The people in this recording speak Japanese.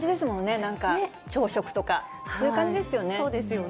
なんか朝食とか、そういう感じですよね。